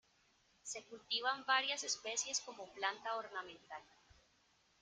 Se cultivan varias especies como planta ornamental.